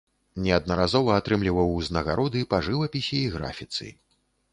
Неаднаразова атрымліваў ўзнагароды па жывапісе і графіцы.